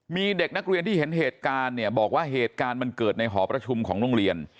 มีเด็กนักเรียนที่เห็นเหตุการณ์เนี่ยบอกว่าเหตุการณ์มันเกิดในหอประชุมของโรงเรียน